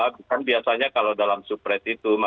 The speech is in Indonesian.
kan biasanya kalau dalam supresi itu